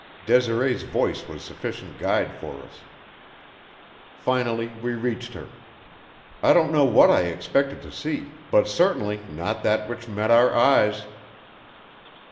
Desiree's voice was sufficient guide for us. Finally we reached her. I don't know what I expected to see, but certainly not that which met our eyes.